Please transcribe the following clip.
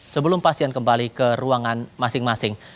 sebelum pasien kembali ke ruangan masing masing